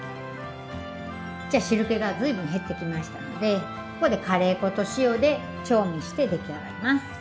じゃ汁けがずいぶん減ってきましたのでここでカレー粉と塩で調味して出来上がります。